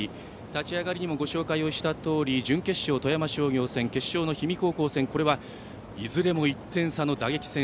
立ち上がりにもご紹介したとおり準決勝、富山商業戦決勝、氷見高校戦これはいずれも１点差の打撃戦。